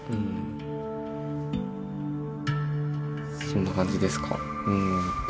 そんな感じですか。